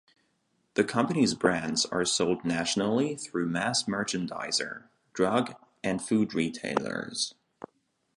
The company's brands are sold nationally through mass merchandiser, drug and food retailers.